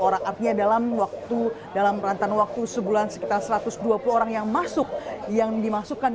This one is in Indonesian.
orang artinya dalam waktu dalam rantan waktu sebulan sekitar satu ratus dua puluh orang yang masuk yang dimasukkan